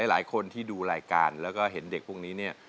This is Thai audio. หลายคนที่ดูรายการแล้วก็เห็นเด็กพวกนี้เนี่ย